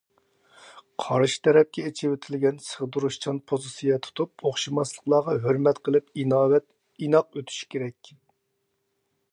قارشى تەرەپكە ئېچىۋېتىلگەن، سىغدۇرۇشچان پوزىتسىيە تۇتۇپ، ئوخشىماسلىقلارغا ھۆرمەت قىلىپ ئىناق ئۆتۈشى كېرەك.